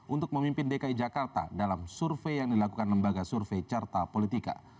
untuk memimpin dki jakarta dalam survei yang dilakukan lembaga survei carta politika